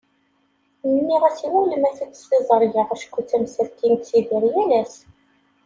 Nniɣ-as iwulem ad t-id-ssiẓergeɣ acku d tamsalt i nettidir yal ass.